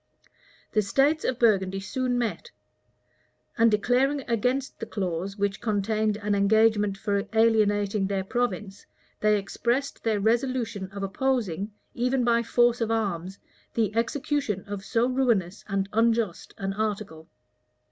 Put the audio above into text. The states of Burgundy soon met; and declaring against the clause which contained an engagement for alienating their province, they expressed their resolution of opposing, even by force of arms, the execution of so ruinous and unjust an article.